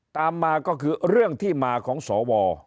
ตามมาก็คือเรื่องที่มาของสว